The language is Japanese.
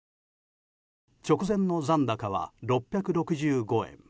直前の残高は６６５円。